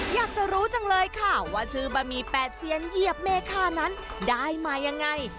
อยากจะรู้จังเลยค่ะว่าชื่อบะหมี่แปดเซียนเหยียบเมคานั้นได้มายังไง